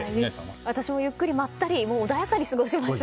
私もゆっくりまったり過ごしました。